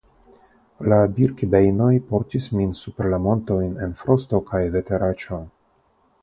La Birkibejnoj portis min super la montojn en frosto kaj veteraĉo.